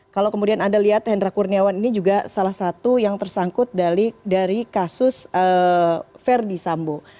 kalau kemudian anda lihat hendra kurniawan ini juga salah satu yang tersangkut dari kasus verdi sambo